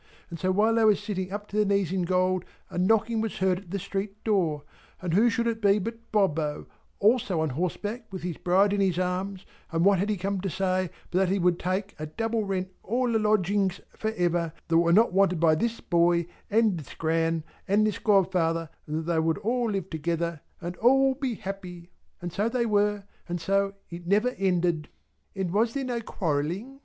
And so while they were sitting up to their knees in gold, a knocking was heard at the street door, and who should it be but Bobbo, also on horseback with his bride in his arms, and what had he come to say but that he would take (at double rent) all the Lodgings for ever, that were not wanted by this a boy and this Gran and this godfather, and that they would all live together, and all be happy! And so they were, and so it never ended!" "And was there no quarrelling?"